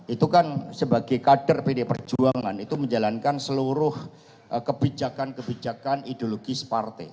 itu kan sebagai kader pdi perjuangan itu menjalankan seluruh kebijakan kebijakan ideologis partai